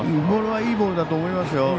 ボールはいいボールだと思いますよ。